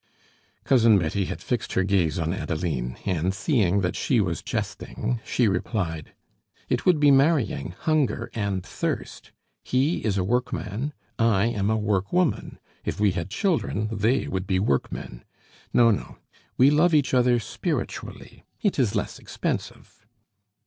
Cousin Betty had fixed her gaze on Adeline, and seeing that she was jesting, she replied: "It would be marrying hunger and thirst; he is a workman, I am a workwoman. If we had children, they would be workmen. No, no; we love each other spiritually; it is less expensive."